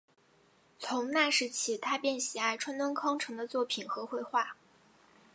从那时起他便喜爱川端康成的作品和绘画。